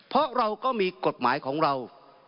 เพราะเราก็มีกฎหมายของเรา